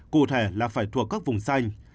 cụ thể là phải thuộc các vùng xanh